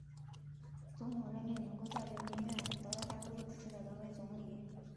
总统任命能够在人民院得到大多数支持的人为总理。